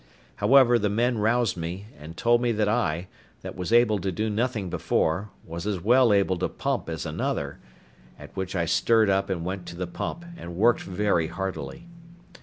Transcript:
However, the men roused me, and told me that I, that was able to do nothing before, was as well able to pump as another; at which I stirred up and went to the pump, and worked very heartily.